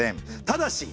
ただし！